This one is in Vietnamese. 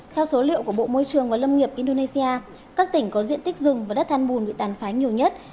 theo số liệu của bộ môi trường và lâm nghiệp indonesia các tỉnh có diện tích rừng và đất than bùn bị tàn phá nhiều nhất